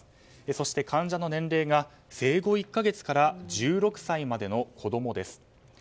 そして患者の年齢が生後１か月から１６歳までの子供です。